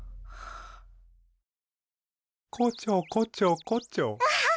・こちょこちょこちょ。